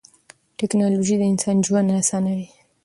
تکنالوژي د انسان ژوند اسانوي.